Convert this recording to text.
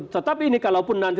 tetapi ini kalau pun nanti